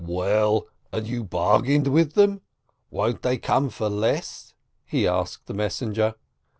"Well, and you bargained with them? Won't they come for less ? he asked the messenger.